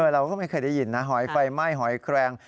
เราก็ไม่เคยได้ยินนะหอยไฟไหม้หอยแครง